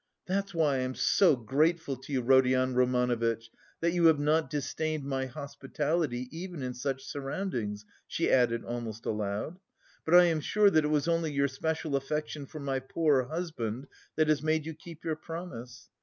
"That's why I am so grateful to you, Rodion Romanovitch, that you have not disdained my hospitality, even in such surroundings," she added almost aloud. "But I am sure that it was only your special affection for my poor husband that has made you keep your promise."